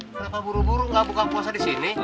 kenapa buru buru gak buka puasa di sini